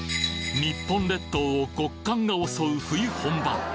日本列島を極寒が襲う冬本番！